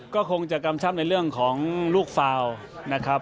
ก็คงจะกำชับในเรื่องของลูกฟาวนะครับ